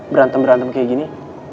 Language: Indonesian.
berantem berantem kayak gini